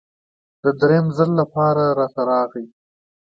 دریم ځل لپاره راته راغی.